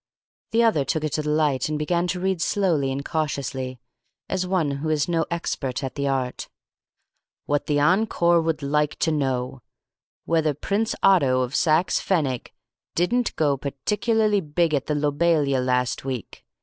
The other took it to the light and began to read slowly and cautiously, as one who is no expert at the art. "'What the Encore would like to know: Whether Prince Otto of Saxe Pfennig didn't go particularly big at the Lobelia last week?